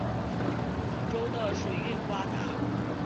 梧州的水运发达。